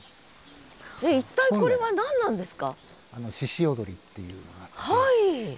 一体これは何なんですか？